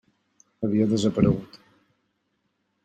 Havia desaparegut.